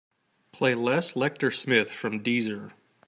Play Les Lecter Smith from deezer.